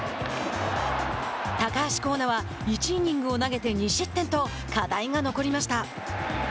高橋光成は１イニングを投げて２失点と課題が残りました。